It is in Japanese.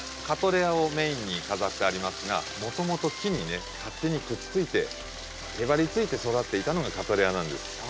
カトレアをメインに飾ってありますがもともと木にね勝手にくっついてへばりついて育っていたのがカトレアなんです。